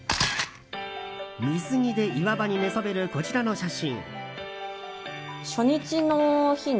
水着で岩場に寝そべるこちらの写真。